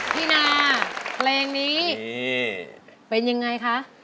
นาเพลงนี้เป็นยังไงคะ